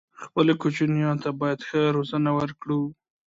خپلو کوچنيانو ته بايد ښه روزنه ورکړو